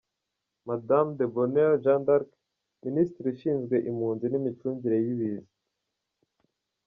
Madamu Debonheur Jeanne d’Arc, Minisitiri ushinzwe impunzi n’Imicungire y‘Ibiza.